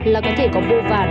là có thể có vô vàn